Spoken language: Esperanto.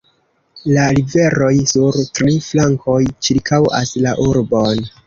La riveroj sur tri flankoj ĉirkaŭas la urbon.